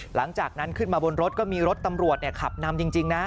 หลังจากนั้นขึ้นมาบนรถก็มีรถตำรวจขับนำจริงนะ